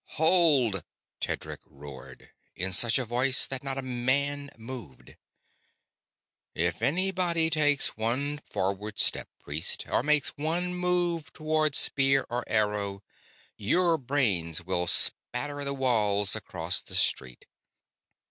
"HOLD!" Tedric roared, in such a voice that not a man moved. "If anybody takes one forward step, priest, or makes one move toward spear or arrow, your brains will spatter the walls across the street.